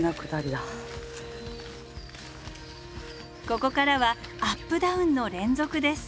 ここからはアップダウンの連続です。